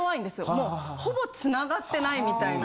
もうほぼ繋がってないみたいな。